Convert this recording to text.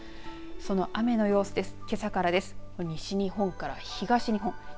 その雨の様子です。